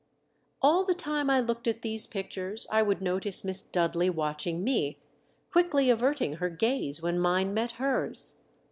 All the time I looked at these pictures I would notice Miss Dudley watching me, (juickly averting her gaze when mine met hers.